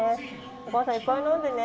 お母さんいっぱい飲んでね。